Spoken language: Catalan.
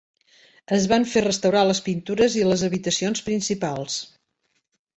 Es van fer restaurar les pintures i les habitacions principals.